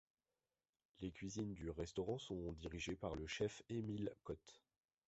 Les cuisines du restaurant sont dirigées par le chef Émile Cotte.